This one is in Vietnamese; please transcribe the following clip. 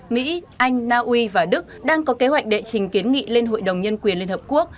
mỹ anh naui và đức đang có kế hoạch đệ trình kiến nghị lên hội đồng nhân quyền liên hợp quốc